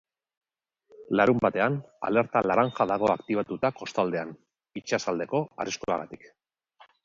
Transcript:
Larunbatean alerta laranja dago aktibatuta kostaldean, itsasaldeko arriskuagatik.